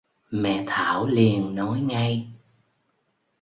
Mẹ Thảo liền Nói ngay